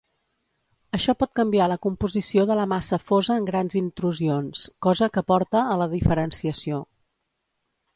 Això pot canviar la composició de la massa fosa en grans intrusions, cosa que porta a la diferenciació.